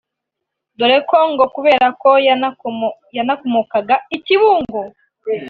dore ko ngo kubera ko yanakomokaga i Kibungo